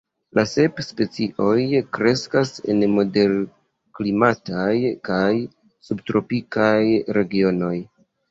La sep specioj kreskas en moderklimataj kaj subtropikaj regionoj.